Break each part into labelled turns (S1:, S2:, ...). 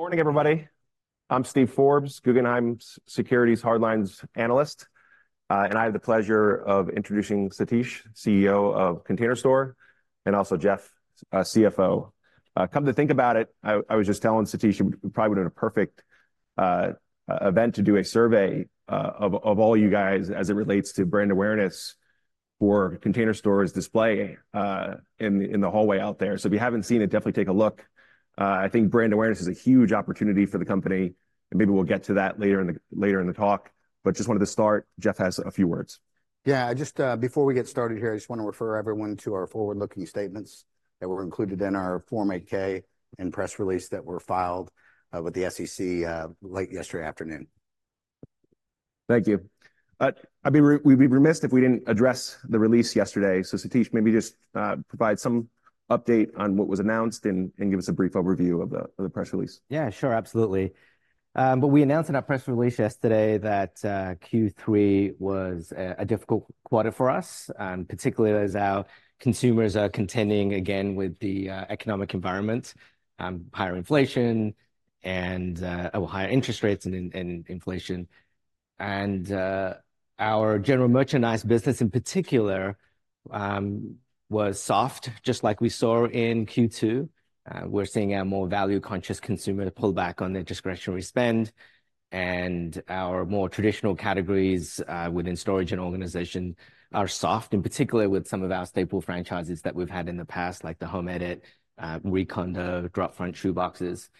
S1: Good morning, everybody. I'm Steven Forbes, Guggenheim Securities Hardlines analyst. And I have the pleasure of introducing Satish, CEO of Container Store, and also Jeff, CFO. Come to think about it, I was just telling Satish, you probably would have a perfect event to do a survey of all you guys as it relates to brand awareness for Container Store's display in the hallway out there. So if you haven't seen it, definitely take a look. I think brand awareness is a huge opportunity for the company, and maybe we'll get to that later in the talk. But just wanted to start. Jeff has a few words.
S2: Yeah, just, before we get started here, I just want to refer everyone to our forward-looking statements that were included in our Form 8-K and press release that were filed with the SEC late yesterday afternoon.
S1: Thank you. We'd be remiss if we didn't address the release yesterday. So, Satish, maybe just provide some update on what was announced and give us a brief overview of the press release.
S3: Yeah, sure. Absolutely. But we announced in our press release yesterday that Q3 was a difficult quarter for us, and particularly as our consumers are contending again with the economic environment, higher inflation and higher interest rates and inflation. And our general merchandise business, in particular, was soft, just like we saw in Q2. We're seeing a more value-conscious consumer pull back on their discretionary spend, and our more traditional categories within storage and organization are soft, in particular with some of our staple franchises that we've had in the past, like The Home Edit, Marie Kondo, Drop-Front Shoe Boxes.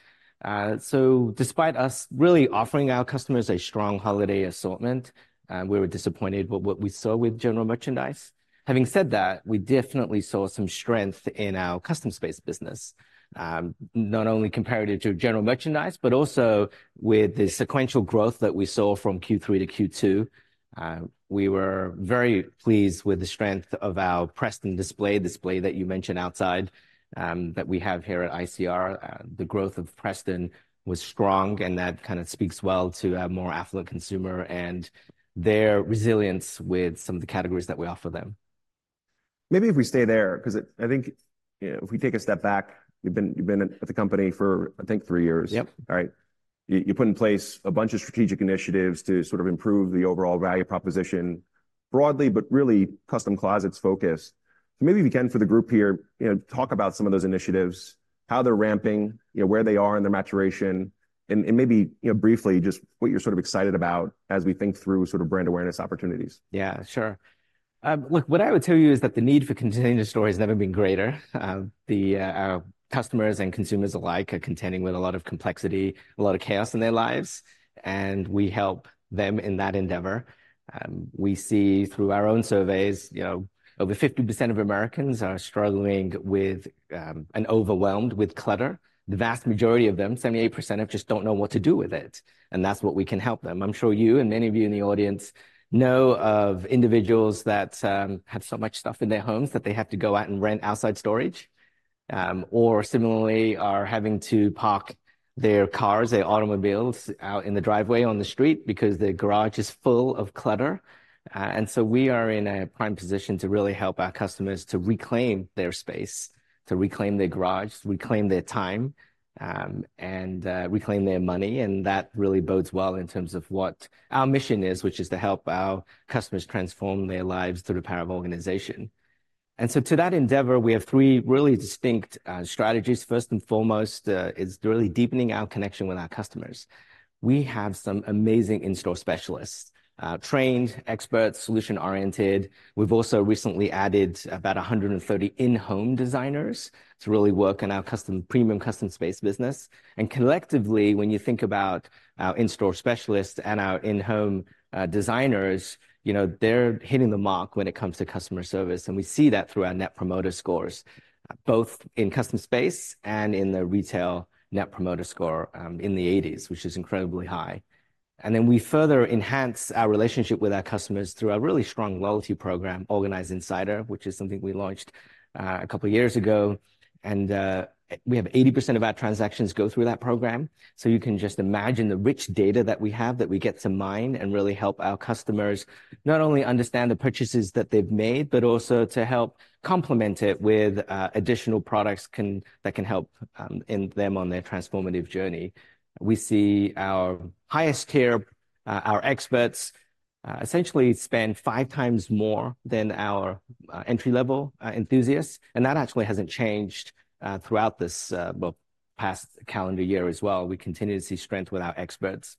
S3: So despite us really offering our customers a strong holiday assortment, we were disappointed with what we saw with general merchandise. Having said that, we definitely saw some strength in our custom space business, not only comparative to general merchandise, but also with the sequential growth that we saw from Q3 to Q2. We were very pleased with the strength of our Preston display, that you mentioned outside, that we have here at ICR. The growth of Preston was strong, and that kind of speaks well to a more affluent consumer and their resilience with some of the categories that we offer them.
S1: Maybe if we stay there, because I think, you know, if we take a step back, you've been at the company for, I think, three years.
S3: Yep.
S1: All right. You put in place a bunch of strategic initiatives to sort of improve the overall value proposition broadly, but really custom closets focus. So maybe if you can, for the group here, you know, talk about some of those initiatives, how they're ramping, you know, where they are in their maturation, and maybe, you know, briefly just what you're sort of excited about as we think through sort of brand awareness opportunities.
S3: Yeah, sure. Look, what I would tell you is that the need for Container Store has never been greater. Our customers and consumers alike are contending with a lot of complexity, a lot of chaos in their lives, and we help them in that endeavor. We see through our own surveys, you know, over 50% of Americans are struggling with and overwhelmed with clutter. The vast majority of them, 78%, just don't know what to do with it, and that's what we can help them. I'm sure you and many of you in the audience know of individuals that have so much stuff in their homes that they have to go out and rent outside storage. Or similarly, are having to park their cars, their automobiles out in the driveway on the street because their garage is full of clutter. And so we are in a prime position to really help our customers to reclaim their space, to reclaim their garage, reclaim their time, and reclaim their money. And that really bodes well in terms of what our mission is, which is to help our customers transform their lives through the power of organization. And so to that endeavor, we have three really distinct strategies. First and foremost is really deepening our connection with our customers. We have some amazing in-store specialists, trained experts, solution-oriented. We've also recently added about 130 in-home designers to really work on our custom premium custom space business. Collectively, when you think about our in-store specialists and our in-home designers, you know, they're hitting the mark when it comes to customer service, and we see that through our Net Promoter Scores, both in custom space and in the retail Net Promoter Score, in the 80s, which is incredibly high. Then we further enhance our relationship with our customers through our really strong loyalty program, Organized Insider, which is something we launched a couple of years ago. We have 80% of our transactions go through that program. So you can just imagine the rich data that we have that we get to mine and really help our customers not only understand the purchases that they've made, but also to help complement it with additional products that can help in them on their transformative journey. We see our highest tier, our experts, essentially spend five times more than our entry-level enthusiasts, and that actually hasn't changed throughout this well past calendar year as well. We continue to see strength with our experts.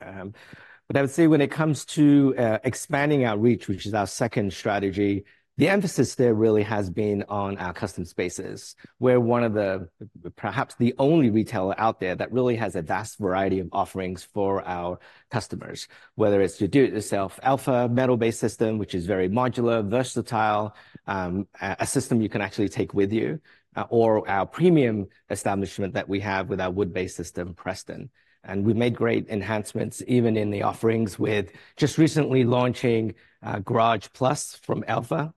S3: But I would say when it comes to expanding our reach, which is our second strategy, the emphasis there really has been on our custom spaces. We're one of the, perhaps the only retailer out there that really has a vast variety of offerings for our customers. Whether it's Do-It-Yourself Elfa metal-based system, which is very modular, versatile, a system you can actually take with you, or our premium establishment that we have with our wood-based system, Preston. We've made great enhancements, even in the offerings, with just recently launching Garage+ by Elfa.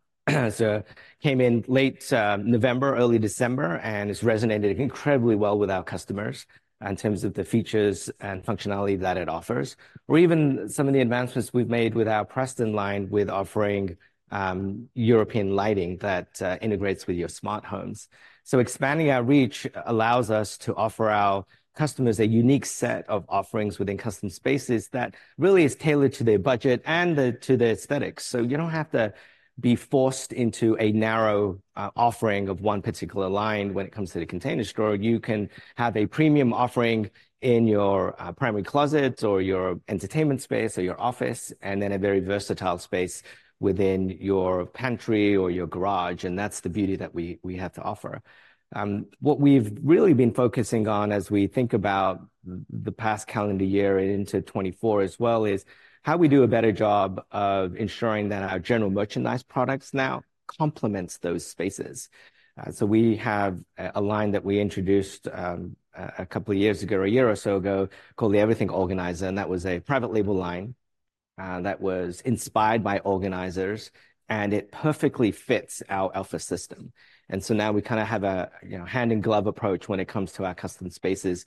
S3: So came in late November, early December, and it's resonated incredibly well with our customers in terms of the features and functionality that it offers. Or even some of the advancements we've made with our Preston line with offering European lighting that integrates with your smart homes. So expanding our reach allows us to offer our customers a unique set of offerings within custom spaces that really is tailored to their budget and the, to the aesthetics. So you don't have to be forced into a narrow offering of one particular line when it comes to The Container Store. You can have a premium offering in your primary closet or your entertainment space or your office, and then a very versatile space within your pantry or your garage, and that's the beauty that we, we have to offer. What we've really been focusing on as we think about the past calendar year and into 2024 as well, is how we do a better job of ensuring that our general merchandise products now complement those spaces. So we have a line that we introduced a couple of years ago, a year or so ago, called the Everything Organizer, and that was a private label line that was inspired by organizers, and it perfectly fits our Elfa system. And so now we kind of have a you know hand-in-glove approach when it comes to our custom spaces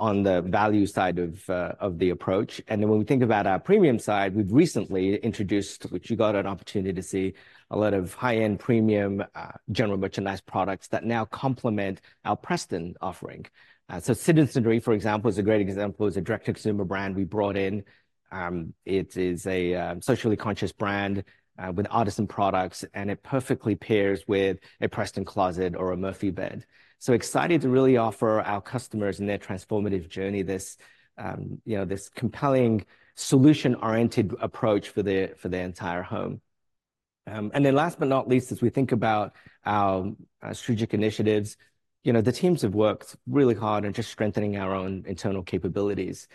S3: on the value side of the approach. And then when we think about our premium side, we've recently introduced, which you got an opportunity to see, a lot of high-end premium general merchandise products that now complement our Preston offering. So The Citizenry, for example, is a great example, is a direct-to-consumer brand we brought in. It is a socially conscious brand with artisan products, and it perfectly pairs with a Preston closet or a Murphy bed. So excited to really offer our customers in their transformative journey this, you know, this compelling solution-oriented approach for their entire home. And then last but not least, as we think about our strategic initiatives, you know, the teams have worked really hard on just strengthening our own internal capabilities.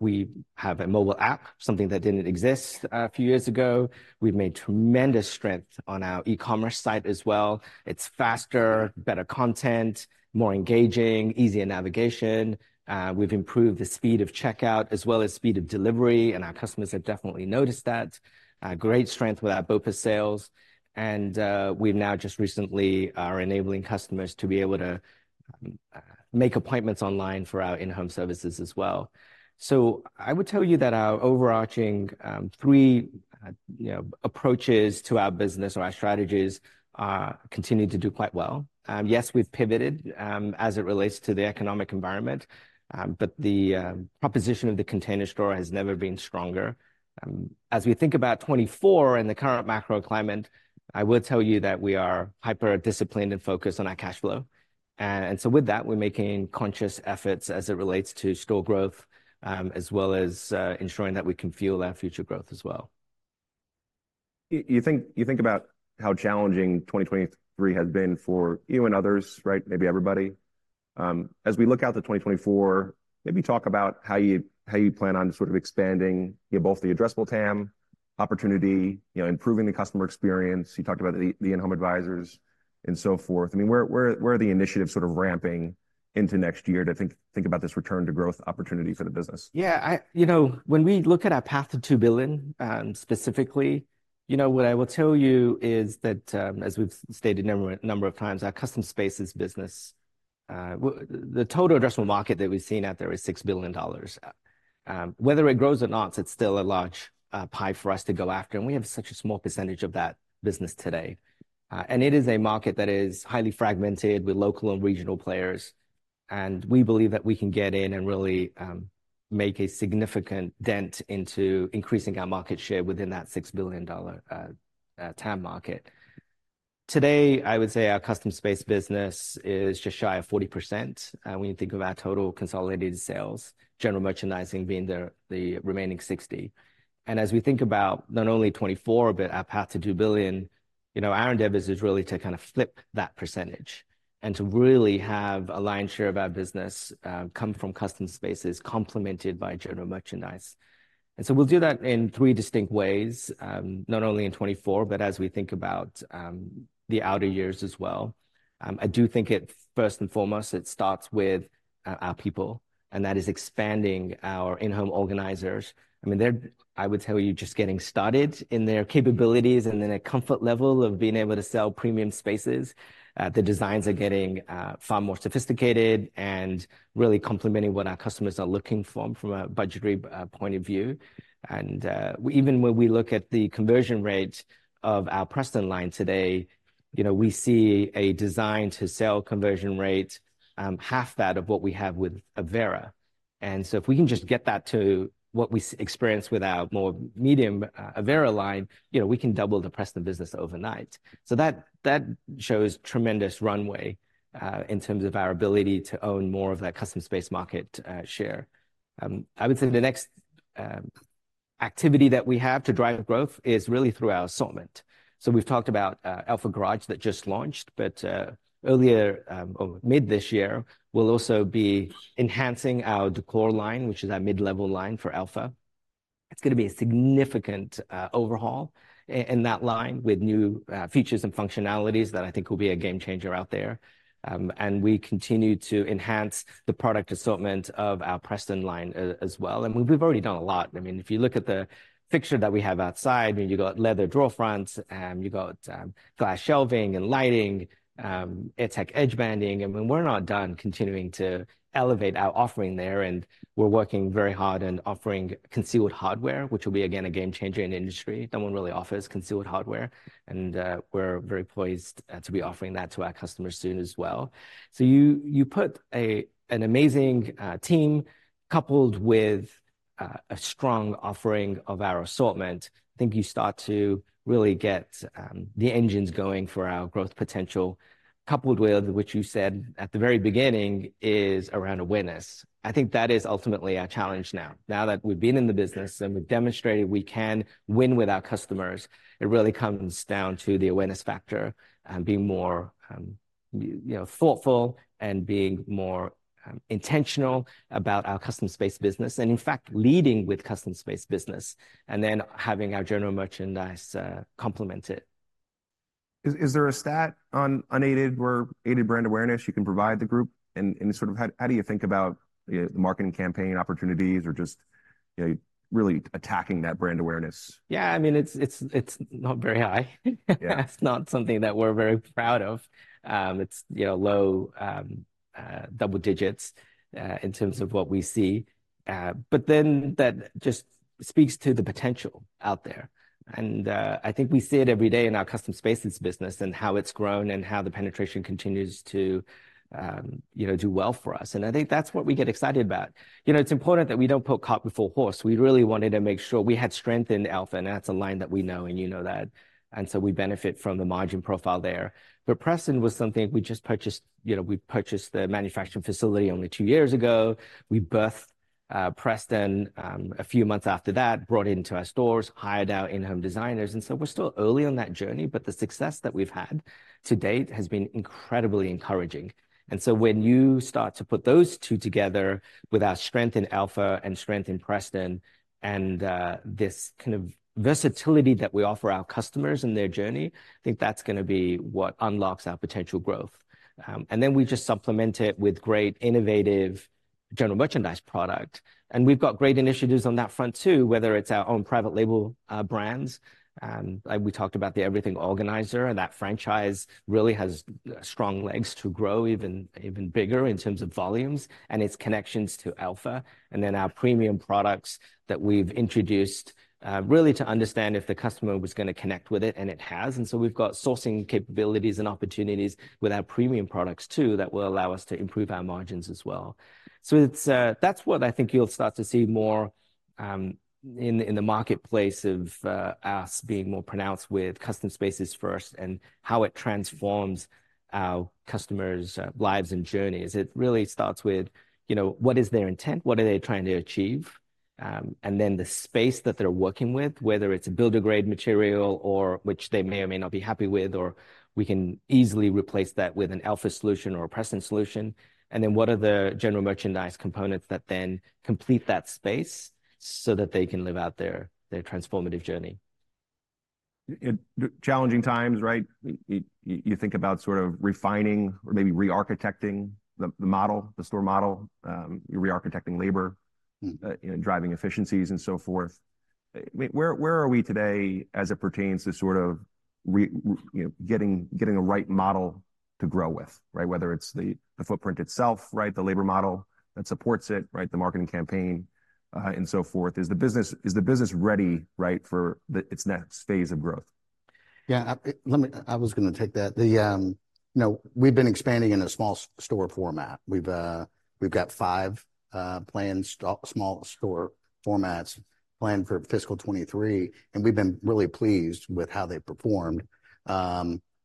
S3: We have a mobile app, something that didn't exist a few years ago. We've made tremendous strength on our e-commerce site as well. It's faster, better content, more engaging, easier navigation. We've improved the speed of checkout as well as speed of delivery, and our customers have definitely noticed that. Great strength with our BOPIS sales, and we've now just recently are enabling customers to be able to make appointments online for our in-home services as well. So I would tell you that our overarching three, you know, approaches to our business or our strategies continue to do quite well. Yes, we've pivoted as it relates to the economic environment, but the proposition of The Container Store has never been stronger. As we think about 2024 and the current macro climate, I will tell you that we are hyper-disciplined and focused on our cash flow. And so with that, we're making conscious efforts as it relates to store growth as well as ensuring that we can fuel our future growth as well.
S1: You think about how challenging 2023 has been for you and others, right? Maybe everybody. As we look out to 2024, maybe talk about how you plan on sort of expanding, you know, both the addressable TAM opportunity, you know, improving the customer experience. You talked about the in-home advisors and so forth. I mean, where are the initiatives sort of ramping into next year to think about this return to growth opportunity for the business?
S3: Yeah. You know, when we look at our path to $2 billion, specifically, you know, what I will tell you is that, as we've stated a number, number of times, our Custom Spaces business, the total addressable market that we've seen out there is $6 billion. Whether it grows or not, it's still a large pie for us to go after, and we have such a small percentage of that business today. And it is a market that is highly fragmented with local and regional players, and we believe that we can get in and really make a significant dent into increasing our market share within that $6 billion TAM market. Today, I would say our Custom Spaces business is just shy of 40%, when you think of our total consolidated sales, general merchandising being the remaining 60%. And as we think about not only 2024, but our path to $2 billion, you know, our endeavor is really to kind of flip that percentage and to really have a lion's share of our business come from Custom Spaces, complemented by general merchandise. And so we'll do that in three distinct ways, not only in 2024, but as we think about the outer years as well. I do think it, first and foremost, it starts with our people, and that is expanding our in-home organizers. I mean, they're, I would tell you, just getting otarted in their capabilities and then a comfort level of being able to sell premium spaces. The designs are getting far more sophisticated and really complementing what our customers are looking for from a budgetary point of view. Even when we look at the conversion rate of our Preston line today, you know, we see a design-to-sale conversion rate half that of what we have with Avera. So if we can just get that to what we experience with our more medium Avera line, you know, we can double the Preston business overnight. That shows tremendous runway in terms of our ability to own more of that custom space market share. I would say the next activity that we have to drive growth is really through our assortment. So we've talked about Elfa Garage that just launched, but earlier or mid this year, we'll also be enhancing our Decor line, which is our mid-level line for Elfa. It's gonna be a significant overhaul in that line, with new features and functionalities that I think will be a game changer out there. And we continue to enhance the product assortment of our Preston line as well, and we've already done a lot. I mean, if you look at the fixture that we have outside, I mean, you got leather drawer fronts, you got glass shelving and lighting, edge tech, edge banding, and we're not done continuing to elevate our offering there. And we're working very hard and offering concealed hardware, which will be, again, a game changer in the industry. No one really offers concealed hardware, and we're very poised to be offering that to our customers soon as well. So you put an amazing team, coupled with a strong offering of our assortment. I think you start to really get the engines going for our growth potential, coupled with which you said at the very beginning, is around awareness. I think that is ultimately our challenge now. Now that we've been in the business, and we've demonstrated we can win with our customers, it really comes down to the awareness factor and being more you know thoughtful, and being more intentional about our custom space business, and in fact, leading with custom space business, and then having our general merchandise complement it.
S1: Is there a stat on unaided or aided brand awareness you can provide the group? And sort of how do you think about the marketing campaign opportunities or just, you know, really attacking that brand awareness?
S3: Yeah, I mean, it's not very high.
S1: Yeah.
S3: It's not something that we're very proud of. It's, you know, low double digits in terms of what we see. But then that just speaks to the potential out there. And I think we see it every day in our Custom Spaces business and how it's grown, and how the penetration continues to, you know, do well for us. And I think that's what we get excited about. You know, it's important that we don't put cart before horse. We really wanted to make sure we had strength in Elfa, and that's a line that we know, and you know that, and so we benefit from the margin profile there. But Preston was something we just purchased. You know, we purchased the manufacturing facility only two years ago. We birthed Preston a few months after that, brought into our stores, hired our in-home designers, and so we're still early on that journey, but the success that we've had to date has been incredibly encouraging. And so, when you start to put those two together with our strength in Elfa and strength in Preston, and this kind of versatility that we offer our customers in their journey, I think that's going to be what unlocks our potential growth. And then, we just supplement it with great, innovative general merchandise product. And we've got great initiatives on that front, too, whether it's our own private label brands like we talked about the Everything Organizer, and that franchise really has strong legs to grow even even bigger in terms of volumes and its connections to Elfa. And then, our premium products that we've introduced, really to understand if the customer was going to connect with it, and it has. And so we've got sourcing capabilities and opportunities with our premium products, too, that will allow us to improve our margins as well. So it's. That's what I think you'll start to see more, in the marketplace of, us being more pronounced with Custom Spaces first, and how it transforms our customers', lives and journeys. It really starts with, you know, what is their intent? What are they trying to achieve? And then, the space that they're working with, whether it's a builder-grade material or which they may or may not be happy with, or we can easily replace that with an Elfa solution or a Preston solution. And then, what are the general merchandise components that then complete that space, so that they can live out their transformative journey.
S1: In challenging times, right? You think about sort of refining or maybe re-architecting the model, the store model. Re-architecting labor-
S3: Mm-hmm ...
S1: you know, driving efficiencies, and so forth. I mean, where are we today as it pertains to sort of you know, getting the right model to grow with, right? Whether it's the footprint itself, right, the labor model that supports it, right, the marketing campaign, and so forth. Is the business ready, right, for its next phase of growth?
S2: Yeah, let me... I was going to take that. The, you know, we've been expanding in a small store format. We've, we've got five planned small store formats planned for fiscal 2023, and we've been really pleased with how they've performed.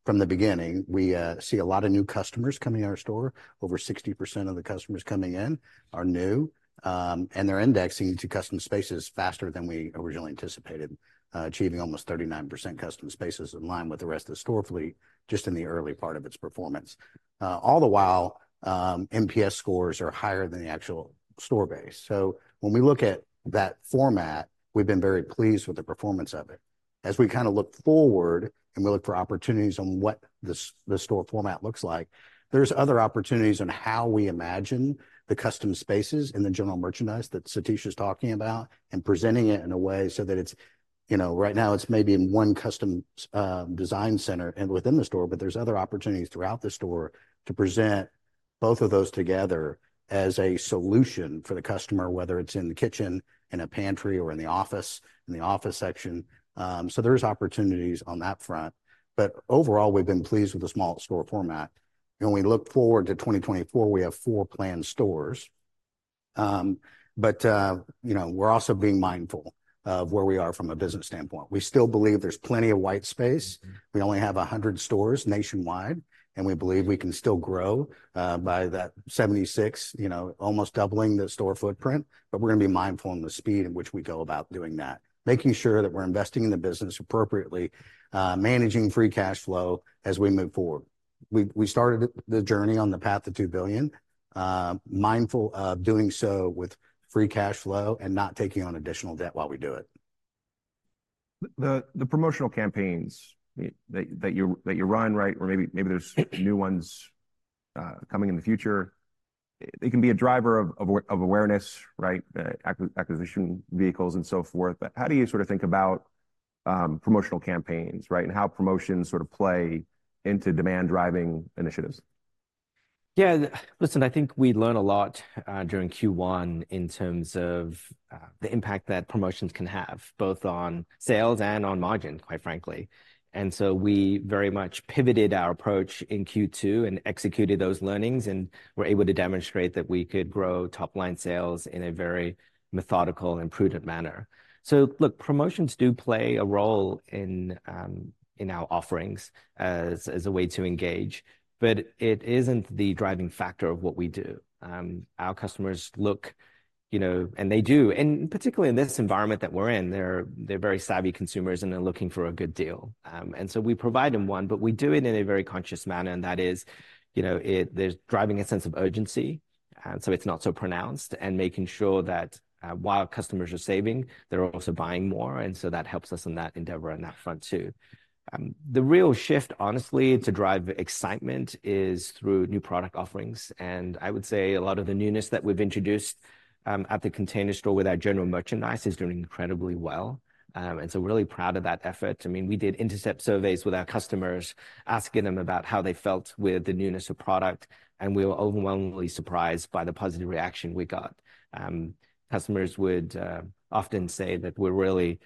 S2: From the beginning, we see a lot of new customers coming to our store. Over 60% of the customers coming in are new, and they're indexing to Custom Spaces faster than we originally anticipated, achieving almost 39% Custom Spaces in line with the rest of the store fleet, just in the early part of its performance. All the while, NPS scores are higher than the actual store base. So when we look at that format, we've been very pleased with the performance of it. As we kind of look forward and we look for opportunities on what this, this store format looks like, there's other opportunities on how we imagine the custom spaces and the general merchandise that Satish is talking about, and presenting it in a way so that it's, you know... Right now, it's maybe in one custom, design center and within the store, but there's other opportunities throughout the store to present both of those together as a solution for the customer, whether it's in the kitchen, in a pantry, or in the office, in the office section. So there's opportunities on that front. But overall, we've been pleased with the small store format, and we look forward to 2024. We have four planned stores. But you know, we're also being mindful of where we are from a business standpoint. We still believe there's plenty of white space. We only have 100 stores nationwide, and we believe we can still grow by that 76, you know, almost doubling the store footprint. But we're going to be mindful in the speed in which we go about doing that, making sure that we're investing in the business appropriately, managing free cash flow as we move forward. We started the journey on the path to $2 billion, mindful of doing so with free cash flow and not taking on additional debt while we do it.
S1: The promotional campaigns that you run, right, or maybe there's new ones coming in the future, it can be a driver of awareness, right? Acquisition vehicles, and so forth. But how do you sort of think about promotional campaigns, right, and how promotions sort of play into demand-driving initiatives?
S3: Yeah, listen, I think we learned a lot during Q1 in terms of the impact that promotions can have, both on sales and on margin, quite frankly. And so we very much pivoted our approach in Q2 and executed those learnings, and we're able to demonstrate that we could grow top-line sales in a very methodical and prudent manner. So look, promotions do play a role in our offerings as a way to engage, but it isn't the driving factor of what we do. Our customers look, you know, and they do, and particularly in this environment that we're in, they're very savvy consumers, and they're looking for a good deal. And so we provide them one, but we do it in a very conscious manner, and that is, you know, there's driving a sense of urgency... and so it's not so pronounced, and making sure that, while customers are saving, they're also buying more, and so that helps us in that endeavor on that front, too. The real shift, honestly, to drive excitement is through new product offerings, and I would say a lot of the newness that we've introduced, at The Container Store with our general merchandise is doing incredibly well. And so we're really proud of that effort. I mean, we did intercept surveys with our customers, asking them about how they felt with the newness of product, and we were overwhelmingly surprised by the positive reaction we got. Customers would, often say that we really,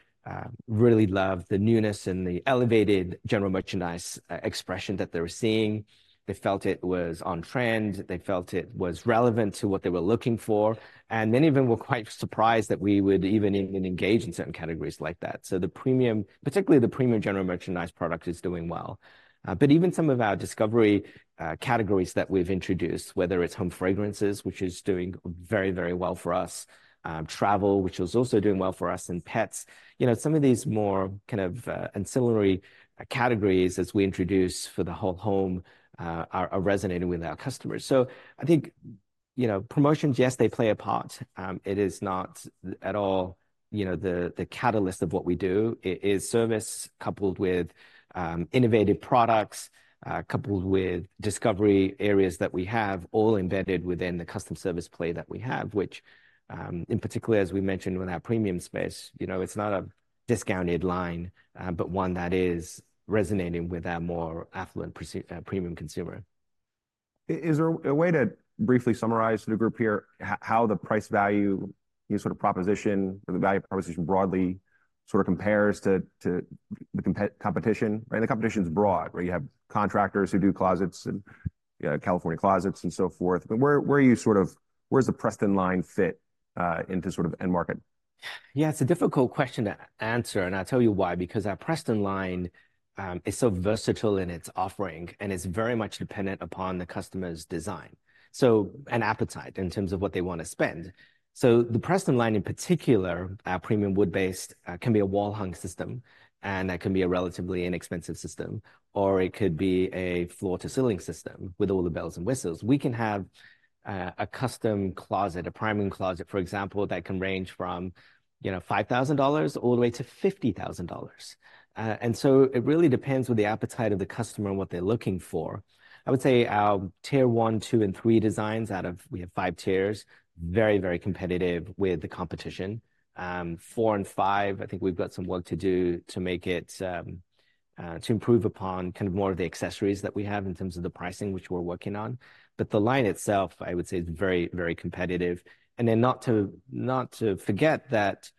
S3: really love the newness and the elevated general merchandise, expression that they were seeing. They felt it was on trend, they felt it was relevant to what they were looking for, and many of them were quite surprised that we would even engage in certain categories like that. So the premium, particularly the premium general merchandise product, is doing well. But even some of our discovery categories that we've introduced, whether it's home fragrances, which is doing very, very well for us, travel, which is also doing well for us, and pets. You know, some of these more kind of ancillary categories as we introduce for the whole home are resonating with our customers. So I think, you know, promotions, yes, they play a part. It is not at all, you know, the catalyst of what we do. It is service coupled with innovative products, coupled with discovery areas that we have all embedded within the custom service play that we have, which, in particular, as we mentioned with our premium space, you know, it's not a discounted line, but one that is resonating with our more affluent pursuit, premium consumer.
S1: Is there a way to briefly summarize to the group here, how the price-value sort of proposition or the value proposition broadly sort of compares to, to the competition? Right, the competition's broad, where you have contractors who do closets and, California Closets and so forth. But where, where are you sort of where's the Preston line fit, into sort of end market?
S3: Yeah, it's a difficult question to answer, and I'll tell you why: because our Preston line is so versatile in its offering, and it's very much dependent upon the customer's design, so, and appetite in terms of what they want to spend. So the Preston line, in particular, our premium wood-based can be a wall-hung system, and that can be a relatively inexpensive system, or it could be a floor-to-ceiling system with all the bells and whistles. We can have a custom closet, a primary closet, for example, that can range from, you know, $5,000 all the way to $50,000. And so it really depends on the appetite of the customer and what they're looking for. I would say our tier one, two, and three designs out of... we have five tiers, very, very competitive with the competition. four and five, I think we've got some work to do to make it to improve upon kind of more of the accessories that we have in terms of the pricing, which we're working on. But the line itself, I would say, is very, very competitive. And then not to, not to forget that,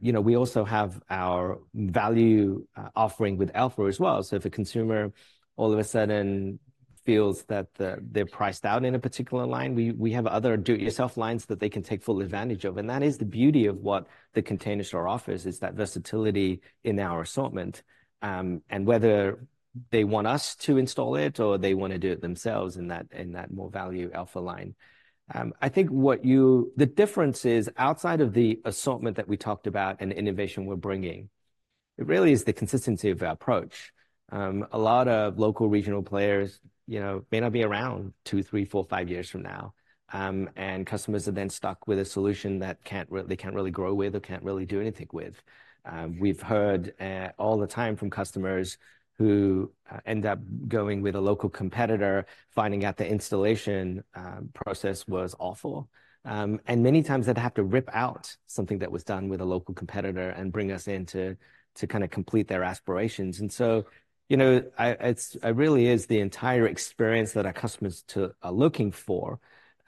S3: you know, we also have our value offering with Elfa as well. So if a consumer all of a sudden feels that they're, they're priced out in a particular line, we, we have other do-it-yourself lines that they can take full advantage of, and that is the beauty of what The Container Store offers, is that versatility in our assortment. And whether they want us to install it or they want to do it themselves in that, in that more value Elfa line. I think the difference is, outside of the assortment that we talked about and the innovation we're bringing, it really is the consistency of our approach. A lot of local regional players, you know, may not be around two, three, four, five years from now, and customers are then stuck with a solution that can't really, they can't really grow with or can't really do anything with. We've heard all the time from customers who end up going with a local competitor, finding out the installation process was awful. And many times they'd have to rip out something that was done with a local competitor and bring us in to kind of complete their aspirations. And so, you know, it's really the entire experience that our customers too are looking for.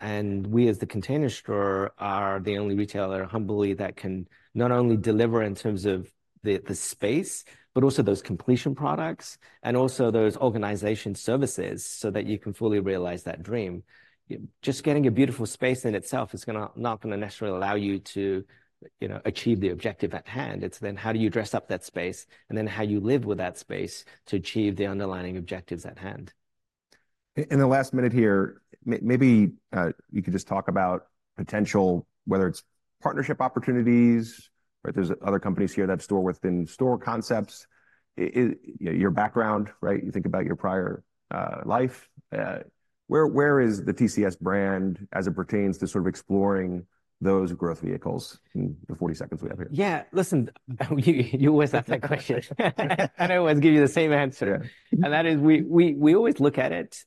S3: We, as The Container Store, are the only retailer, humbly, that can not only deliver in terms of the space, but also those completion products and also those organization services so that you can fully realize that dream. Just getting a beautiful space in itself is not gonna necessarily allow you to, you know, achieve the objective at hand. It's then how do you dress up that space, and then how you live with that space to achieve the underlying objectives at hand.
S1: In the last minute here, maybe you could just talk about potential, whether it's partnership opportunities, or there's other companies here that store within store concepts. Your background, right? You think about your prior life. Where is the TCS brand as it pertains to sort of exploring those growth vehicles in the 40 seconds we have here?
S3: Yeah. Listen, you always ask that question. I always give you the same answer. That is we always look at it,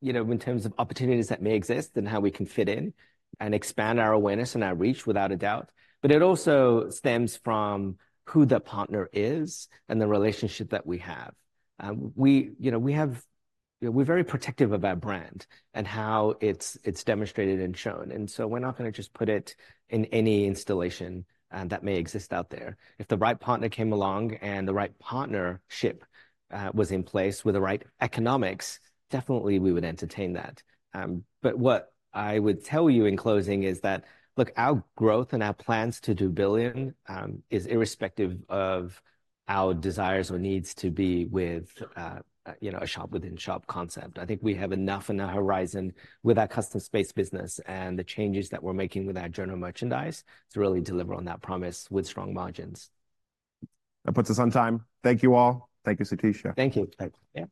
S3: you know, in terms of opportunities that may exist and how we can fit in and expand our awareness and our reach without a doubt, but it also stems from who the partner is and the relationship that we have. You know, we have, we're very protective of our brand and how it's demonstrated and shown, and so we're not going to just put it in any installation that may exist out there. If the right partner came along and the right partnership was in place with the right economics, definitely we would entertain that. But what I would tell you in closing is that, look, our growth and our plans to do $1 billion is irrespective of our desires or needs to be with, you know, a shop-within-a-shop concept. I think we have enough on the horizon with our Custom Spaces business and the changes that we're making with our general merchandise to really deliver on that promise with strong margins.
S1: That puts us on time. Thank you all. Thank you, Satish.
S3: Thank you.
S2: Thanks.
S3: Yeah.